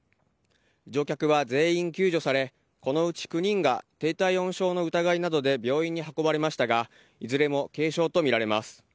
乗客は全員救助されこのうち９人が低体温症の疑いなどで病院に運ばれましたがいずれも軽傷とみられます。